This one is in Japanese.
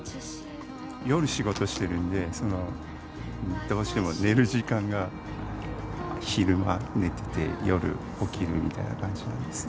夜、仕事してるんでどうしても寝る時間が昼間寝てて夜起きるみたいな感じなんですね。